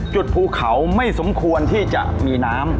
ภูเขาไม่สมควรที่จะมีน้ำ